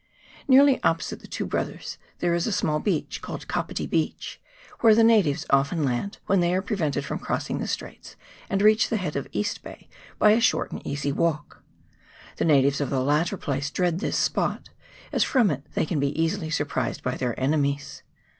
Nearly opposite the Two Brothers there is a small beach, called Kapiti Beach, where the natives often land when they are prevented from crossing the straits, and reach the head of East Bay by a short and easy walk. The natives of the latter place dread this spot, as from it they can be easily sur prised by their enemies.